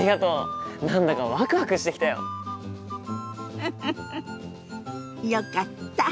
フフフよかった。